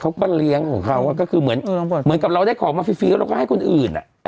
เขาก็เลี้ยงเราก็คือเหมือนอืมน้องพลเหมือนกับเราได้ของมาฟรีก็ก็ให้คนอื่นอ่ะ